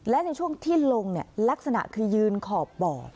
และในช่วงที่ลงลักษณะคือยืนขอบบ่อ